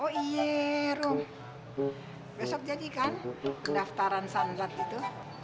oh iya rum besok jadi kan daftaran sandat itu